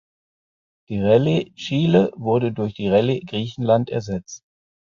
Die Rallye Chile wurde durch die Rallye Griechenland ersetzt.